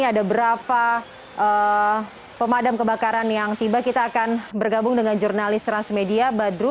ada berapa pemadam kebakaran yang tiba kita akan bergabung dengan jurnalis transmedia badru